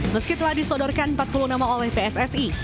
meskitalah disodorkan empat puluh nama oleh pssi